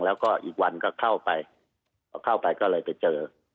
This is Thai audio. แล้วก็อีกวันเข้าไปเข้าไปแล้วไปเจอ